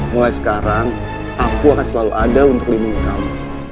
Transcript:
mulai sekarang aku akan selalu ada untuk linming kamu